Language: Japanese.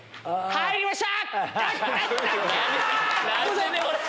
「入りました」